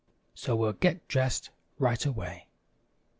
So we'll get dressed right away.